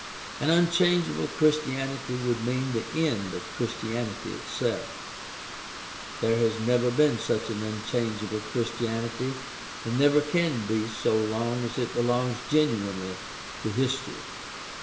"An unchangeable Christianity would mean the end of Christianity itself. There has never been such an unchangeable Christianity and never can be so long as it belongs genuinely to history."